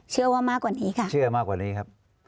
เชื่อว่ามากกว่านี้ค่ะเชื่อมากกว่านี้ครับ